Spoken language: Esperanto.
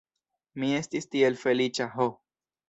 Mi estis tiel feliĉa ho!